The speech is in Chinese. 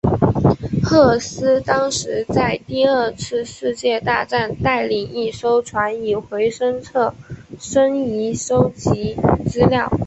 赫斯当时在第二次世界大战带领一艘船以回声测深仪收集资料。